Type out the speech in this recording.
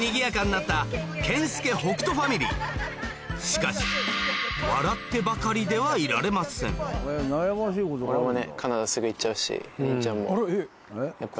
しかし笑ってばかりではいられませんやっぱ。